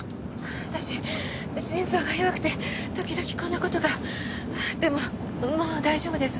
私心臓が弱くて時々こんな事が。でももう大丈夫です。